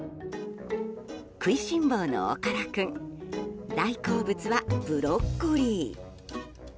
食いしん坊の、おから君大好物はブロッコリー。